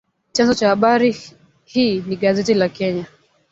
Chanzo cha habari hii ni gazeti la Kenya